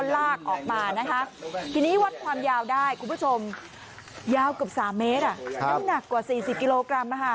ลากมันออกมาแบบนี้ค่ะ